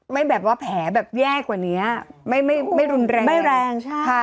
ไม่แบบว่าแผลแย่กว่านี้ไม่รุนแรง